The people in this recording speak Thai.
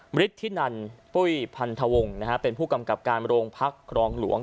มฤทธินันปุ้ยพันธวงศ์เป็นผู้กำกับการโรงพักครองหลวง